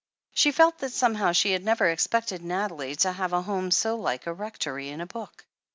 She felt that somehow she had never expected Nathalie to have a home so like a Rectory in a book.